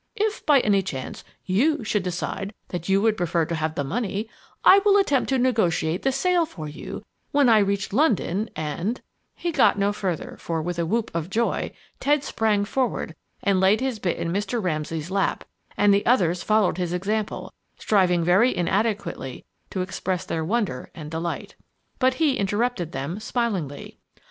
If, by any chance, you should decide that you would prefer to have the money, I will attempt to negotiate the sale for you when I reach London and " He got no further for, with a whoop of joy, Ted sprang forward and laid his bit in Mr. Ramsay's lap and the others followed his example, striving very inadequately to express their wonder and delight. But he interrupted them, smilingly.